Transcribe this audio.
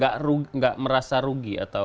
tidak merasa rugi atau